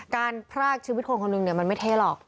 การพรากชีวิตคนคนหนึ่งเนี่ยมันไม่เทหรอก